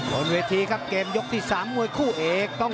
บนเวทีครับเกมยกที่๓มวยคู่เอก